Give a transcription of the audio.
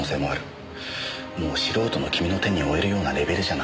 もう素人の君の手に負えるようなレベルじゃない。